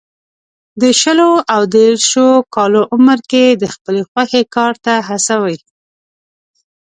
د شلو او دېرشو کالو عمر کې یې د خپلې خوښې کار ته هڅوي.